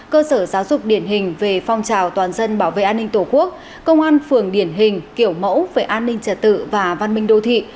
cơ sở giáo dục điển hình về phong trào toàn dân bảo vệ an ninh tổ quốc công an phường điển hình kiểu mẫu về an ninh trật tự và văn minh đô thị